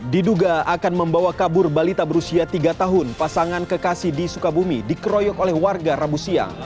diduga akan membawa kabur balita berusia tiga tahun pasangan kekasih di sukabumi dikeroyok oleh warga rabu siang